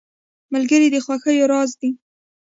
ملګری د خوښیو راز دی.